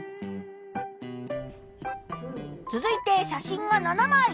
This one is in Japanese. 続いて写真が７まい。